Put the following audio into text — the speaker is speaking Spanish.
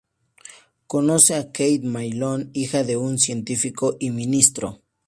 Conoce a Kate Malone, hija de un científico y ministro.